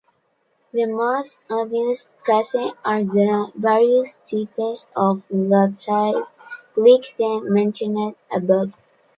The most obvious case are the various types of glottalized clicks mentioned above.